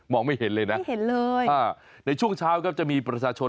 ไม่เห็นเลยนะไม่เห็นเลยอ่าในช่วงเช้าครับจะมีประชาชน